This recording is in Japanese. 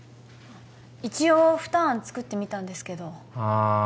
一応二案作ってみたんですけどああ